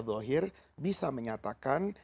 dhohir bisa menyatakan